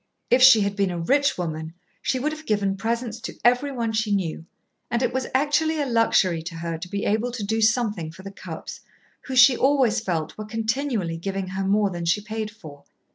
If she had been a rich woman she would have given presents to every one she knew, and it was actually a luxury to her to be able to do something for the Cupps, who, she always felt, were continually giving her more than she paid for.